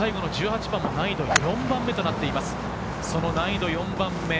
３番目、最後の１８番、難易度４番目となっています。